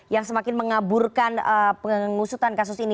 yang semakin mengaburkan pengusutan kasus ini